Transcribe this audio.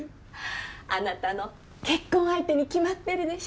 あなたの結婚相手に決まってるでしょ。